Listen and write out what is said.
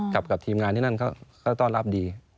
กับทีมงานที่นั่นก็ต้อนรับดี